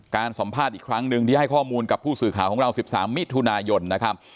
สัมภาษณ์อีกครั้งหนึ่งที่ให้ข้อมูลกับผู้สื่อข่าวของเรา๑๓มิถุนายนนะครับ